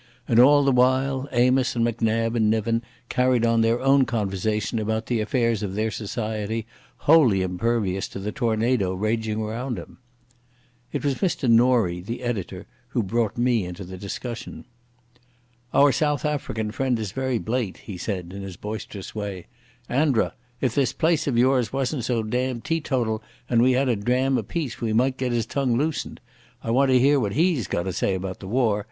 And all the while Amos and Macnab and Niven carried on their own conversation about the affairs of their society, wholly impervious to the tornado raging around them. It was Mr Norie, the editor, who brought me into the discussion. "Our South African friend is very blate," he said in his boisterous way. "Andra, if this place of yours wasn't so damned teetotal and we had a dram apiece, we might get his tongue loosened. I want to hear what he's got to say about the war.